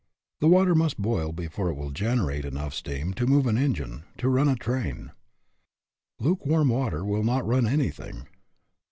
The water must boil before it will generate enough steam to move an engine, to run a train. Lukewarm water will not run anything.